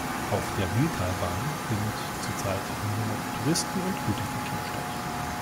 Auf der Wiehltalbahn findet zurzeit nur Touristen- und Güterverkehr statt.